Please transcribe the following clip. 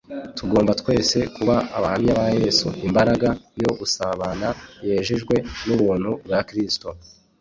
Tugomba twese kuba abahamya ba Yesu. Imbaraga yo gusabana, yejejwe n’ubuntu bwa Kristo